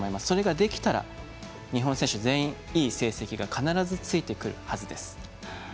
それができたら日本選手全員いい成績が必ずついてくるはずです。